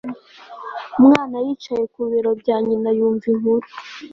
umwana yicaye ku bibero bya nyina yumva inkuru